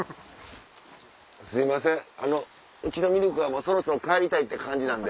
すいませんうちのミルクはそろそろ帰りたいって感じなんで。